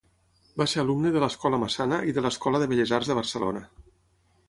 Va ser alumne de l'Escola Massana i de l'Escola de Belles Arts de Barcelona.